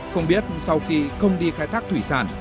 không biết sau khi không đi khai thác thủy sản